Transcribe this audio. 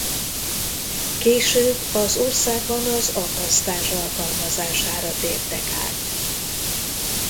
Később az országban az akasztás alkalmazására tértek át.